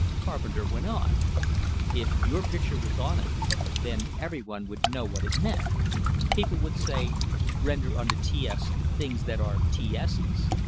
Carpenter went on: "If your picture was on it, then every one would know what it meant. People would say: 'Render unto T S the things that are T S's.'